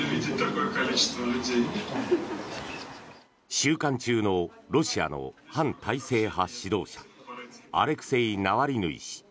収監中のロシアの反体制派指導者アレクセイ・ナワリヌイ氏。